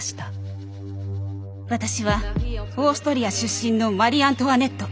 私はオーストリア出身のマリ・アントワネット！